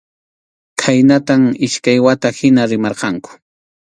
Khaynatam iskay wata hina rimarqanku.